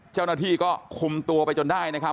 เจ้าหน้าที่ก็คุมตัวไปจนได้นะครับ